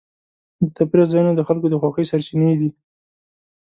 د تفریح ځایونه د خلکو د خوښۍ سرچینې دي.